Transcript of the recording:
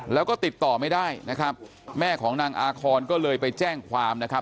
แล้วก็ติดต่อไม่ได้นะครับแม่ของนางอาคอนก็เลยไปแจ้งความนะครับ